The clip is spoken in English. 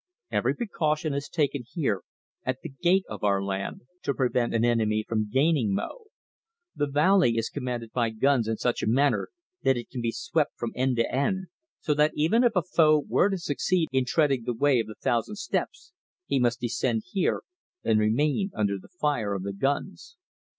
Every precaution is taken here, at the gate of our land, to prevent an enemy from gaining Mo. The valley is commanded by guns in such a manner that it can be swept from end to end, so that even if a foe were to succeed in treading the Way of the Thousand Steps he must descend here and remain under the fire of the guns."